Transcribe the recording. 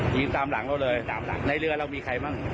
หยิบตามหลังเราในเรือเรามีใครบ้าง